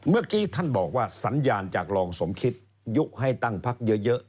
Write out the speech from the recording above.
เมื่อกี้ท่านบอกว่าสัญญาณจากรองสมคิดยุให้ตั้งพักเยอะ